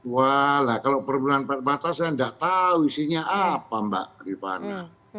walah kalau pertemuan empat mata saya tidak tahu isinya apa mbak rifana